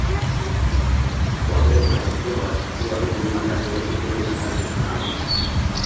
Wabena walikuwa wakifua vyuma katika kipindi cha karne ya tano